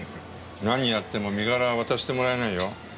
何やっても身柄は渡してもらえないよ。